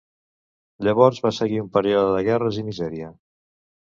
Llavors va seguir un període de guerres i misèria.